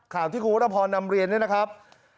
ข่าวที่คุณวรพรนำเรียนเนี่ยนะครับ